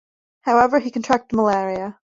However, he contracted malaria.